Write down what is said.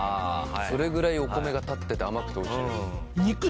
それぐらいお米が立ってて甘くておいしいですんすよね